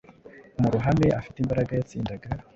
mu ruhame afite imbaraga yatsindaga,